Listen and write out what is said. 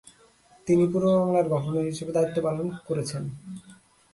তিনি পূর্ব বাংলার গভর্নর হিসেবে দায়িত্বপালন করেছেন।